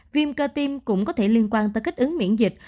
viêm cơ tim cũng có thể liên quan tới kích ứng miễn dịch